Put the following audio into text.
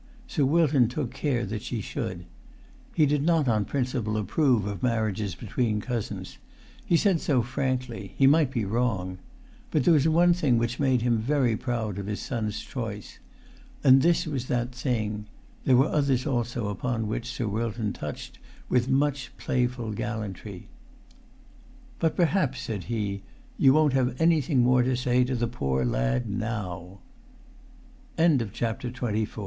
Sir Wilton took care that[Pg 305] she should. He did not on principle approve of marriages between cousins; he said so frankly; he might be wrong. But there was one thing which made him very proud of his son's choice. And this was that thing; there were others also upon which Sir Wilton touched with much playful gallantry. "But perhaps," said he, "you won't have anything more to say to the poor lad now!"